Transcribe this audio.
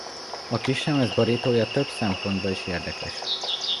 A kislemez borítója több szempontból is érdekes.